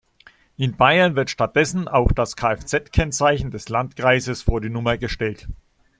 In Bayern wird stattdessen auch das Kfz-Kennzeichen des Landkreises vor die Nummer gestellt.